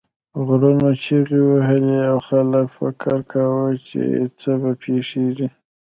غرونو چیغې وهلې او خلک فکر کاوه چې څه پیښیږي.